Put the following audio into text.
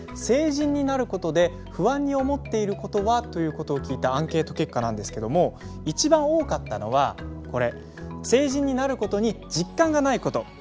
「成人になることで不安に思っていることは？」ということを聞いたアンケート結果なんですけども一番多かったのはこれ「成人になることに実感がないこと」。